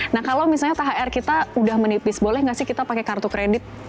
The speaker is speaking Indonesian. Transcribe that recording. nah kalau misalnya thr kita udah menipis boleh nggak sih kita pakai kartu kredit